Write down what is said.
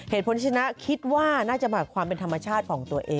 เหตุผลที่ชนะคิดว่าน่าจะมากับความเป็นธรรมชาติของตัวเอง